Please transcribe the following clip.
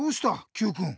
Ｑくん。